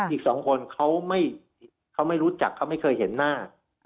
อีกสองคนเขาไม่รู้จักเขาไม่เคยเห็นหน้า